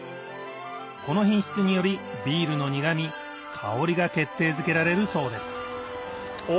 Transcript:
この品質によりビールの苦み・香りが決定づけられるそうですお！